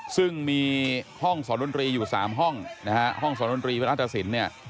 ซึ่งมีห้องสอนดนตรีอยู่๓ห้องนะฮะห้องสอนดนตรีพระราชสินเนี่ย